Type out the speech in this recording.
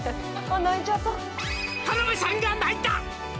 「田辺さんが泣いた」